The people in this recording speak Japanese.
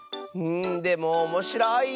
でもおもしろい！